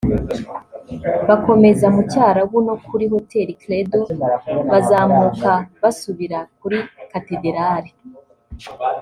bakomeza mu Cyarabu no kuri Hoteli Credo bazamuka basubira kuri Katedarali